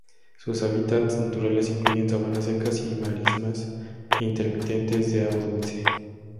Sus hábitats naturales incluyen sabanas secas y marismas intermitentes de agua dulce.